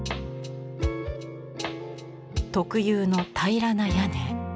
特有の平らな屋根。